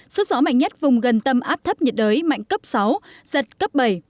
sức gió mạnh nhất vùng gần tâm áp thấp nhiệt đới mạnh cấp sáu giật cấp bảy